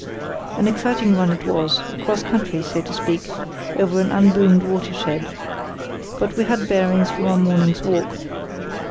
"An exciting run it was, across country, so to speak, over an unboomed watershed; but we had bearings from our morning's walk.